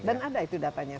dan ada itu datanya